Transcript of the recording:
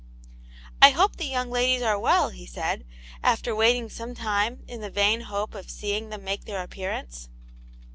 " I hope the young ladies are well," he said, after waiting some time in the vain hope of seeing them make their appearance.